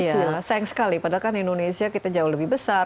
iya sayang sekali padahal kan indonesia kita jauh lebih besar